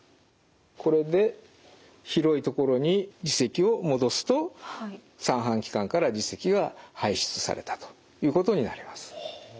これで広い所に耳石を戻すと三半規管から耳石が排出されたということになります。